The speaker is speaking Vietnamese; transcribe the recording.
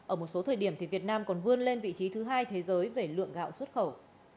ở một số thời điểm thì việt nam còn vươn lên vị trí thứ hai thế giới về lượng gạo xuất khẩu